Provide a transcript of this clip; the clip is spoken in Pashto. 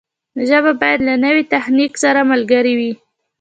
ژبه باید له نوي تخنیک سره ملګرې وي.